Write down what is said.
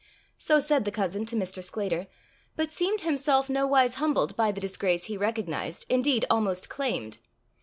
So said the cousin to Mr. Sclater, but seemed himself nowise humbled by the disgrace he recognized, indeed almost claimed.